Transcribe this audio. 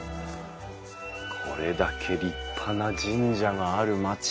これだけ立派な神社がある町。